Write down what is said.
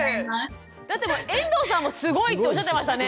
だって遠藤さんもすごいっておっしゃってましたね。